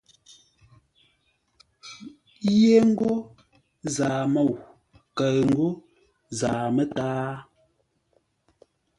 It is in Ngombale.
Yé ńgó «Zaa-môu» kəʉ ńgó «Zaa-mə́táa».